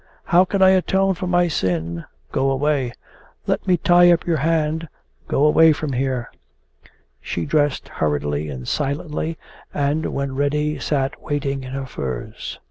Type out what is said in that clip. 'How can I atone for my sin?' 'Go away.' 'Let me tie up your hand.' 'Go away from here.' She dressed hurriedly and silently, and when ready sat waiting in her furs.